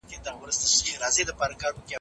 موږ باید د نړۍ له کاروان سره یوځای سو.